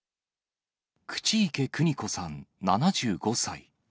口池邦子さん７５歳。